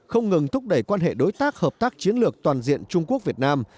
không ngừng thúc đẩy quan hệ đối tác hợp tác chiến lược toàn diện trung quốc việt nam